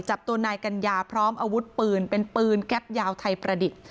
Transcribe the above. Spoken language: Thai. จับตัวนายกัญญาพร้อมอาวุธปืนเป็นปืนแก๊ปยาวไทยประดิษฐ์